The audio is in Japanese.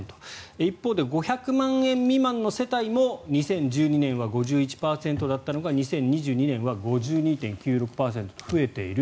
一方で５００万円未満の世帯も２０１２年は５１％だったのが２０２２年は５２．９６％と増えている。